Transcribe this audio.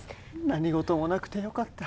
何事もなくてよかった。